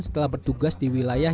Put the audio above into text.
setelah bertugas di wilayah